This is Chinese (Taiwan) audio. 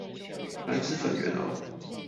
來吃粉圓喔